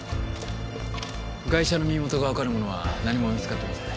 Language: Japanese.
被害者の身元がわかるものは何も見つかってません。